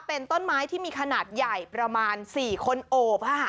เป็นต้นไม้ที่มีขนาดใหญ่ประมาณ๔คนโอบค่ะ